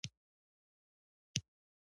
آخرت خپل منطق لري.